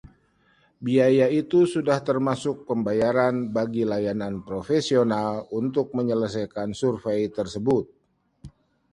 Biaya itu sudah termasuk pembayaran bagi layanan profesional untuk menyelesaikan survei tersebut.